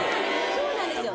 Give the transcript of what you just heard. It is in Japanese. そうなんですよ！